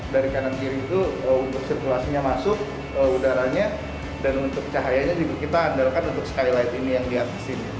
dari kanan kiri itu untuk sirkulasinya masuk udaranya dan untuk cahayanya juga kita andalkan untuk skylight ini yang di atas sini